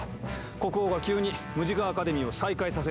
国王が急にムジカ・アカデミーを再開させるなんて。